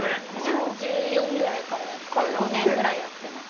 ３４ぐらいからやって５年ぐらいやってます。